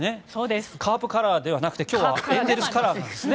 カープカラーじゃなくて今日はエンゼルスカラーですね。